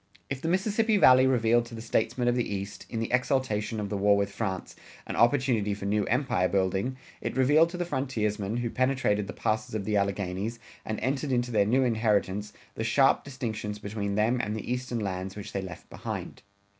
If the Mississippi Valley revealed to the statesmen of the East, in the exultation of the war with France, an opportunity for new empire building, it revealed to the frontiersmen, who penetrated the passes of the Alleghanies, and entered into their new inheritance, the sharp distinctions between them and the Eastern lands which they left behind.